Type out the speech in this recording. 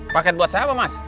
paket buat siapa mas